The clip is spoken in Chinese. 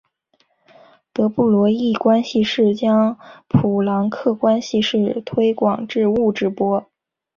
德布罗意关系式将普朗克关系式推广至物质波。